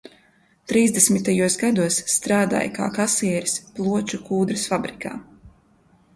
Trīsdesmitajos gados strādāja kā kasieris Ploču kūdras fabrikā.